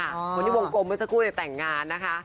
ดังนั้นพวกเขากลมเมื่อสักครู่แต่งงานนะคะ